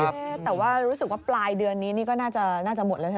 แต่ว่ารู้สึกว่าปลายเดือนนี้นี่ก็น่าจะหมดแล้วเถ